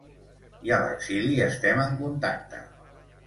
I a l’exili estem en contacte.